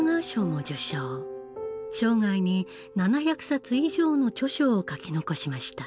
生涯に７００冊以上の著書を書き残しました。